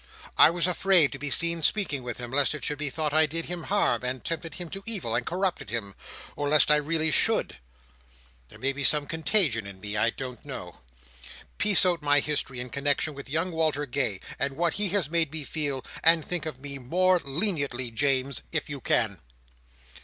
I was afraid to be seen speaking with him, lest it should be thought I did him harm, and tempted him to evil, and corrupted him: or lest I really should. There may be such contagion in me; I don't know. Piece out my history, in connexion with young Walter Gay, and what he has made me feel; and think of me more leniently, James, if you can."